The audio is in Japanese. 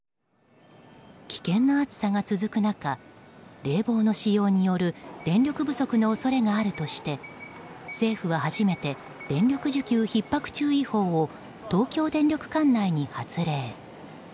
危険な暑さが続く中冷房の使用による電力不足の恐れがあるとして政府は初めて電力需給ひっ迫注意報を東京電力管内に発令。